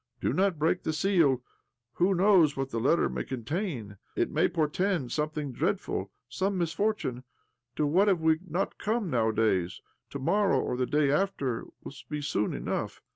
" Do not break the seal. Who knows what the letter may contain? It may portend something dreadful, some misfortune. To what have we not come nowadays? To morrow, or the day after, will be soon enough.